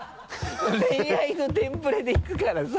恋愛のテンプレでいくからさ。